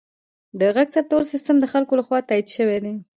د غږ ثبتولو سیستم د خلکو لخوا تایید شوی دی.